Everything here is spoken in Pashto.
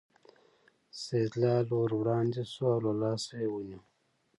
سیدلال ور وړاندې شو او له لاسه یې ونیو.